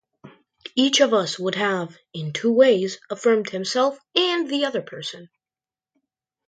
Each of us would have, in two ways, affirmed himself, and the other person.